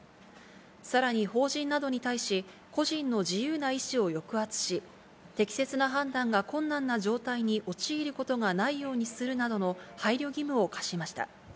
さらに法人などに対し、個人の自由な意思を抑圧し、適切な判断が困難な状態に陥ることがないようにするなどの配慮義務を課しました。